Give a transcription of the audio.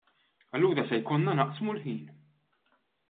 Allura se jkollna naqsmu l-ħin.